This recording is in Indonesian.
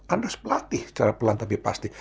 anda harus pelatih secara pelan tapi pasti